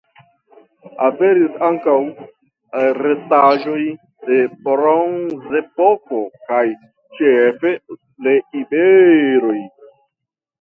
Aperis ankaŭ restaĵoj de Bronzepoko kaj ĉefe de iberoj.